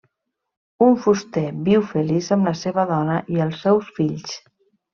Un fuster viu feliç amb la seva dona i els seus fills.